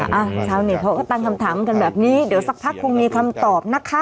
เห้ออ่าอะไรเธอเนี้ยเพราะก็ตั้งคำถามกันแบบนี้เดี๋ยวสักพักคงมีคำตอบนะคะ